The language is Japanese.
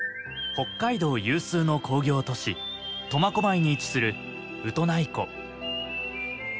北海道有数の工業都市苫小牧に位置するウトナイ湖。